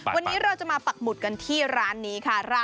วันนี้เราจะมาปักหมุดกันที่ร้านนี้ค่ะ